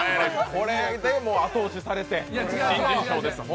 これで後押しされて新人賞です。